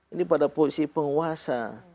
ini pada posisi penguasa